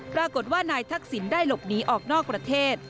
ปรากฏว่านายทักษิณได้หลบหนีออกนอกประเทศ